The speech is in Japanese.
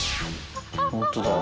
本当だ！